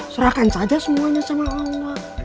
serahkan saja semuanya sama allah